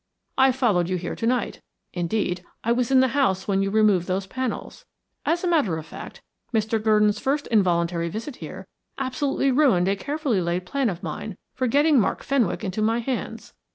I followed you here to night; indeed, I was in the house when you removed those panels. As a matter of fact, Mr. Gurdon's first involuntary visit here absolutely ruined a carefully laid plan of mine for getting Mark Fenwick into my hands.